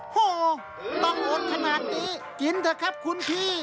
โหต้องอดขนาดนี้กินเถอะครับคุณพี่